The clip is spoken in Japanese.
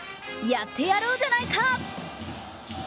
やってやろうじゃないか。